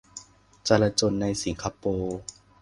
จลาจลในสิงคโปร์